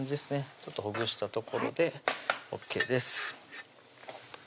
ちょっとほぐしたところでＯＫです